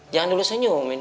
jangan dulu senyum ini